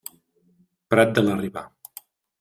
Prat de la Riba.